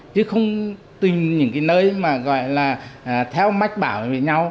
chứ không tìm những nơi theo mách bảo với nhau